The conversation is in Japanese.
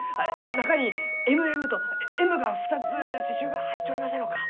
中に「ＭＭ」とＭが２つ刺しゅうが入っちょりませんろうか？